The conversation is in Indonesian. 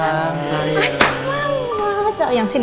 ada satu laki laki versuchen jemput